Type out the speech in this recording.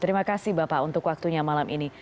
terima kasih bapak untuk waktunya malam ini